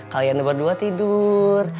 kalian berdua tidur